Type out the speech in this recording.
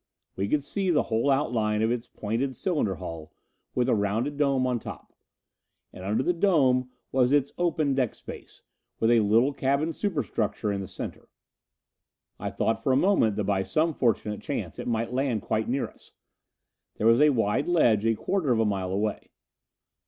We could see the whole outline of its pointed cylinder hull, with the rounded dome on top. And under the dome was its open deck space, with a little cabin superstructure in the center. I thought for a moment that by some fortunate chance it might land quite near us. There was a wide ledge a quarter of a mile away.